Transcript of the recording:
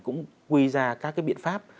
cũng quy ra các cái biện pháp